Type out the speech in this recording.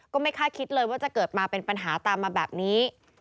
ไม่คาดคิดเลยว่าจะเกิดมาเป็นปัญหาตามมาแบบนี้